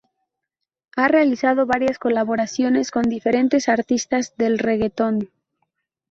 Ha realizado varias colaboraciones con diferentes artistas del reggaeton.